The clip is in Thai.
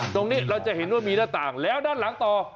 ตรงนี้เราจะเห็นว่ามีหน้าต่างแล้วด้านหลังต่อ